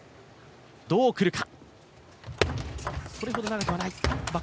どうくるか。